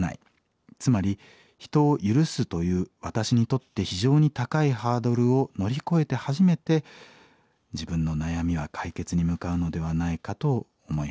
つまり人を許すという私にとって非常に高いハードルを乗り越えて初めて自分の悩みは解決に向かうのではないかと思い始めたんです。